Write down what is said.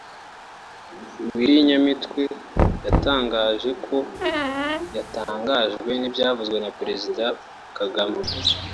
Willy Nyamitwe yatangaje ko batangajwe n’ibyavuzwe na Perezida Kagame